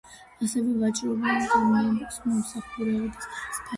ასევე ვაჭრობა და მომსახურების სფერო.